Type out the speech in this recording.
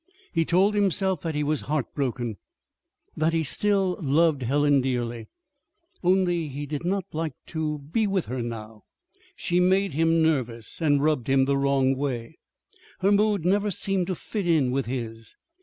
He told himself that he was heartbroken; that he still loved Helen dearly only he did not like to be with her now. She made him nervous, and rubbed him the wrong way. Her mood never seemed to fit in with his.